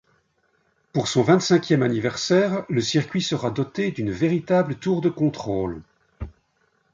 Pour son vingt-cinquième anniversaire le circuit sera doté d'une véritable tour de contrôle.